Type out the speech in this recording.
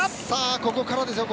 ここからですよ。